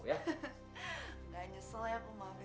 eh kamu nggak sadar apa ya